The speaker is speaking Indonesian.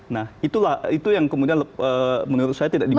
nah itulah itu yang kemudian menurut saya tidak bisa